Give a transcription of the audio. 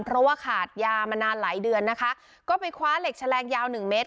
เพราะว่าขาดยามานานหลายเดือนนะคะก็ไปคว้าเหล็กแฉลงยาวหนึ่งเมตร